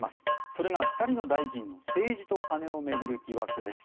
それが２人の大臣の政治と金を巡る疑惑です。